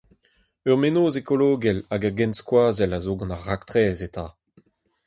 Ur mennozh ekologel hag a genskoazell a zo gant ar raktres eta.